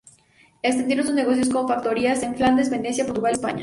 Extendieron sus negocios con factorías en Flandes, Venecia, Portugal y España.